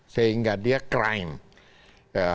sehingga dia crime